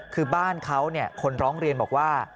คือบ้านเขาคนร้องเรียนบอกว่า